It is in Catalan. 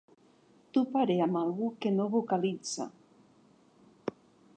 Toparé amb algú que no vocalitza.